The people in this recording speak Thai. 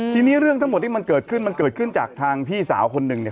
ทีนี้เรื่องทั้งหมดที่มันเกิดขึ้นมันเกิดขึ้นจากทางพี่สาวคนหนึ่งเนี่ย